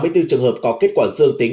hai mươi bốn trường hợp có kết quả dương tính